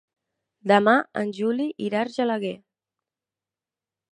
Demà en Juli irà a Argelaguer.